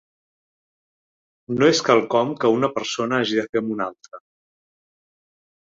No és quelcom que una persona hagi de fer amb una altra.